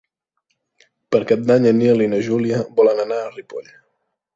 Per Cap d'Any en Nil i na Júlia volen anar a Ripoll.